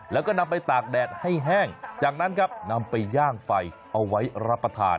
แล้วก็นำไปตากแดดให้แห้งจากนั้นครับนำไปย่างไฟเอาไว้รับประทาน